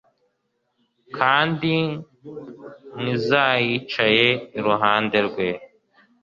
Kandi mwizayicaye iruhande rwe